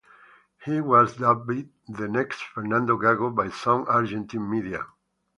He was dubbed the next Fernando Gago by some Argentine media.